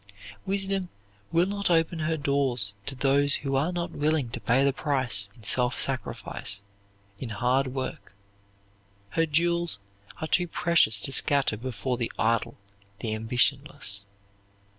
Wisdom will not open her doors to those who are not willing to pay the price in self sacrifice, in hard work. Her jewels are too precious to scatter before the idle, the ambitionless.